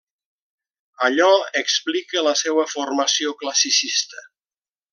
Allò explica la seua formació classicista.